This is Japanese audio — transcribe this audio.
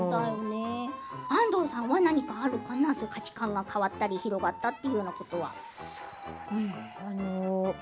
安藤さんは何かあったかな価値観が変わったり広がったりということは。